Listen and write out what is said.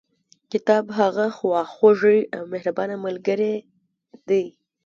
کتاب هغه خواخوږي او مهربانه ملګري دي.